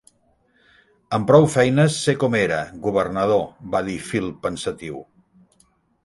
"Amb prou feines sé com era, governador", va dir Phil, pensatiu.